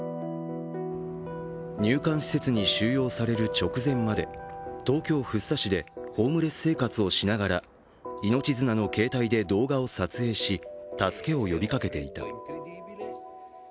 入管施設に収容される直前まで東京・福生市でホームレス生活をしながら命綱の携帯で動画を撮影し、助けを呼びかけていた。